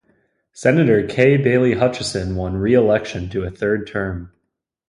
Senator Kay Bailey Hutchison won re-election to a third term.